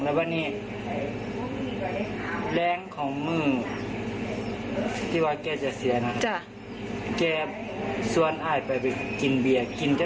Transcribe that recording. ไม่ได้เลี้ยงแล้วว่านี้